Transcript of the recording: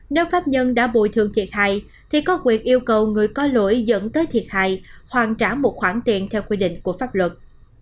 nếu pháp nhân đã bồi thường thiệt hại thì có quyền yêu cầu người có lỗi dẫn tới thiệt hại hoàn trả một khoản tiền theo quy định của pháp luật